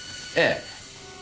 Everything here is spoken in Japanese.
ええ。